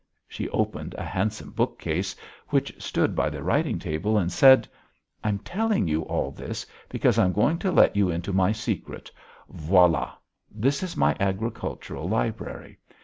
She opened a handsome bookcase which stood by the writing table and said: "I'm telling you all this because I'm going to let you into my secret. Voilà. This is my agricultural library.